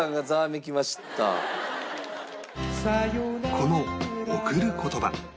この『贈る言葉』